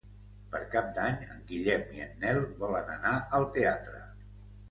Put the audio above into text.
Per Cap d'Any en Guillem i en Nel volen anar al teatre.